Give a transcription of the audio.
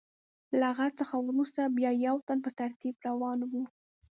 له هغه څخه وروسته بیا یو تن په ترتیب روان و.